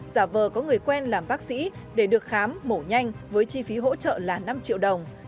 giả vờ có người quen làm bác sĩ để được khám mổ nhanh với chi phí hỗ trợ là năm triệu đồng